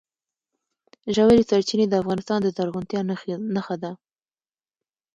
ژورې سرچینې د افغانستان د زرغونتیا نښه ده.